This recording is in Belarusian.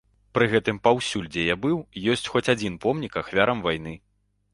Пры гэтым паўсюль, дзе я быў, ёсць хоць адзін помнік ахвярам вайны.